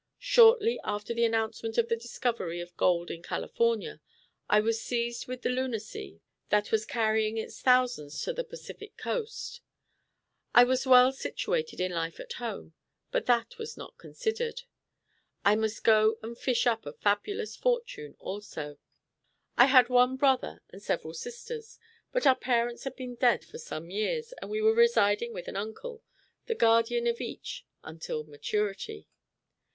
Shortly after the announcement of the discovery of gold in California, I was seized with the lunacy that was carrying its thousands to the Pacific coast. I was well situated in life at home, but that was not considered. I must go and fish up a fabulous fortune also. I had one brother and several sisters, but our parents had been dead for some years, and we were residing with an uncle, the guardian of each, until maturity.